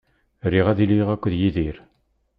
Riɣ ad iliɣ akked Yidir.